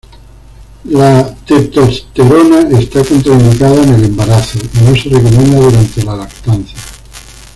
La testosterona está contraindicada en el embarazo y no se recomienda durante la lactancia.